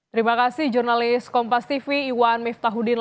terima kasih jurnalis kompas tv iwan miftahudin